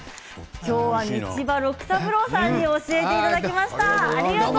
今日は道場六三郎さんに教えていただきました。